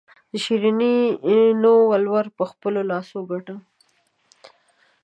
د شیرینو ولور په خپلو لاسو ګټمه.